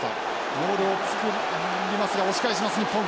モールを作りますが押し返します日本。